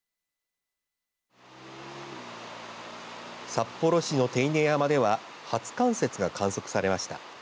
札幌市の手稲山では初冠雪が観測されました。